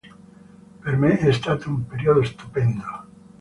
Per me è stato un periodo stupendo.